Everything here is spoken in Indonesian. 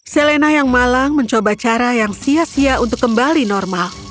selena yang malang mencoba cara yang sia sia untuk kembali normal